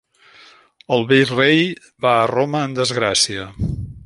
El vell rei va a Roma en desgràcia.